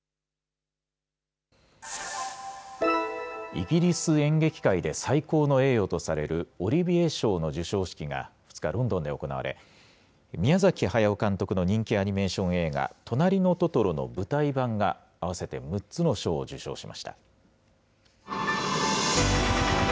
イギリス演劇界で最高の栄誉とされるオリビエ賞の授賞式が２日、ロンドンで行われ、宮崎駿監督の人気アニメーション映画、となりのトトロの舞台版が、合わせて６つの賞を受賞しました。